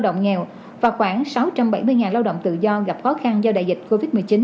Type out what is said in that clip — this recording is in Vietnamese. động nghèo và khoảng sáu trăm bảy mươi lao động tự do gặp khó khăn do đại dịch covid một mươi chín